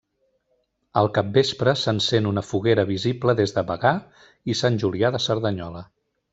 Al capvespre s'encén una foguera visible des de Bagà i Sant Julià de Cerdanyola.